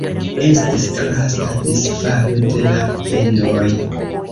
Estis drasta disfalo de la vendoj.